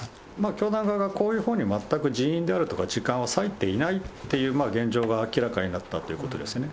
教団側がこういうことに人員だとか時間を割いていないっていう現状が明らかになったということですよね。